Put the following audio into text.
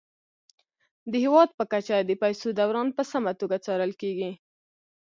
د هیواد په کچه د پيسو دوران په سمه توګه څارل کیږي.